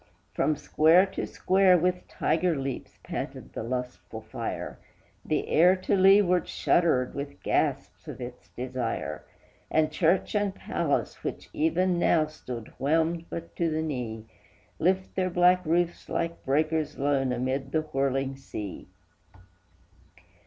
From square to square with tiger leaps panted the lustful fire, The air to leeward shuddered with the gasps of its desire; And church and palace, which even now stood whelmed but to the knee, Lift their black roofs like breakers lone amid the whirling sea.